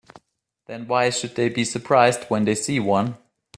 Then why should they be surprised when they see one?